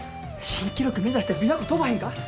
新記録目指して琵琶湖飛ばへんか？